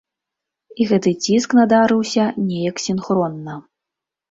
І гэты ціск надарыўся неяк сінхронна.